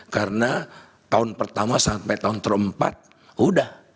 karena tahun pertama sampai tahun terempat udah